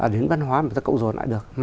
đến văn hóa mà ta cộng rồn lại được